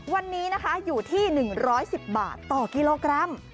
วันนี้นะคะอยู่ที่๑๑๐บาทต่อกิโลกรัม